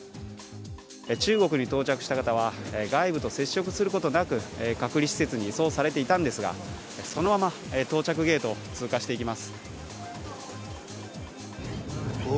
中国に到着した方は外部と接触することなく隔離施設に移送されていたんですがそのまま到着ゲートを通過していきます。